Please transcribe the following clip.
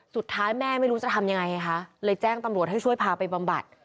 สุดท้ายแม่ไม่รู้จะทำยังไงคะเลยแจ้งตำรวจให้ช่วยพาไปบำบัด